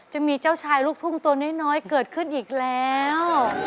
จะมีเจ้าชายลูกทุ่งตัวน้อยเกิดขึ้นอีกแล้ว